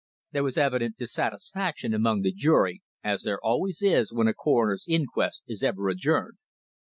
There was evident dissatisfaction among the jury, as there is always when a coroner's inquest is ever adjourned.